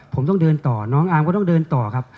ผมต้องเดินต่อน้องอาร์มก็ต้องเดินต่อครับ